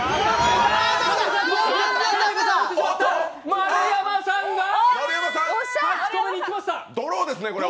丸山さんがドローですね、これは。